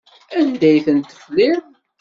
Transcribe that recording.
Anda ay ten-tefliḍ?